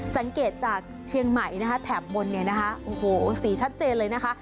สังเกตจากเชียงใหม่นะคะแถบบนเนี่ยนะคะโอ้โหสีชัดเจนเลยนะคะ